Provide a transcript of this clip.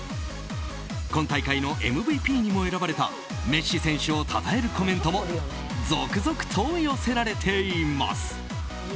今大会のＭＶＰにも選ばれたメッシ選手をたたえるコメントも続々と寄せられています。